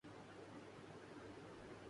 آئین ہند جمہوریہ بھارت کا دستور اعلیٰ ہے